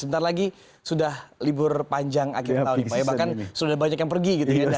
sebentar lagi sudah libur panjang akhir tahun bahkan sudah banyak yang pergi